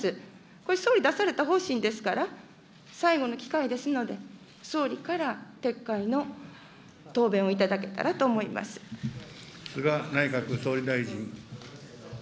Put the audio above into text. これ、総理出された方針ですから、最後の機会ですので、総理から撤回の答弁を頂けたらと思います。